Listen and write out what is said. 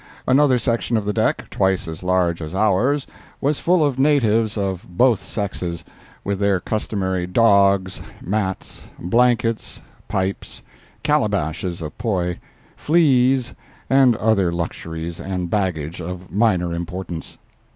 Another section of the deck, twice as large as ours, was full of natives of both sexes, with their customary dogs, mats, blankets, pipes, calabashes of poi, fleas, and other luxuries and baggage of minor importance.